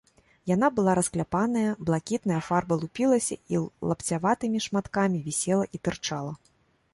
Яна была раскляпаная, блакітная фарба лупілася і лапцяватымі шматкамі вісела і тырчала.